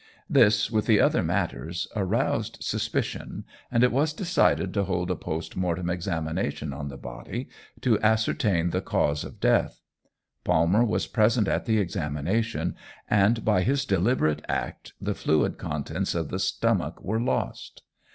This, with other matters, aroused suspicion, and it was decided to hold a post mortem examination on the body to ascertain the cause of death. Palmer was present at the examination, and by his deliberate act the fluid contents of the stomach were lost.